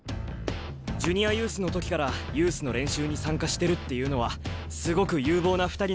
ジュニアユースの時からユースの練習に参加してるっていうのはすごく有望な２人なんだろうな。